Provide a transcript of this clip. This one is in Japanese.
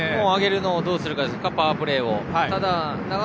上げるのをどうするかですパワープレーを。